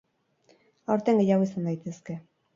Aurten gehiago izan daitezke.